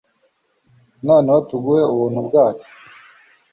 Noneho tuguhe ubuntu bwacu